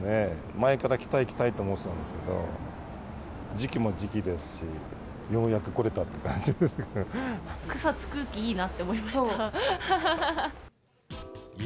前から来たい来たいと思ってたんですけど、時期も時期ですし、草津空気いいなって思いました。